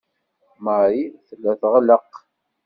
Marie tella teɣleq.